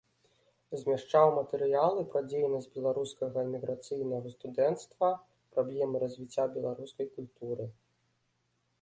Змяшчаў матэрыялы пра дзейнасць беларускага эміграцыйнага студэнцтва, праблемы развіцця беларускай культуры.